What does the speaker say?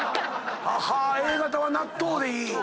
Ａ型は納豆でいい。